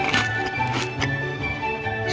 dan tanpa pikir panjang